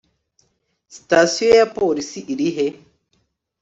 sitasiyo ya polisi irihe